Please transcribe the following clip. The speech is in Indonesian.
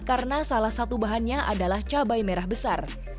karena salah satu bahannya adalah cabai merah besar